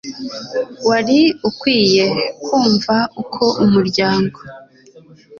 Wari ukwiye kumva uko umuryango